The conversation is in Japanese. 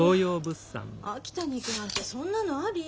秋田に行くなんてそんなのあり？